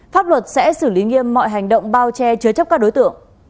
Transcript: pháp luật sẽ xử lý nghiêm mọi hành động bao che chứa chấp các đối tượng